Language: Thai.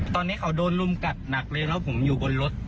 ตอนนี้เขาโดนรุมกัดหนักเลยแล้วผมอยู่บนรถ